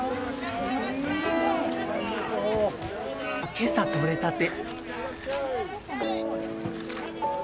今朝取れたて。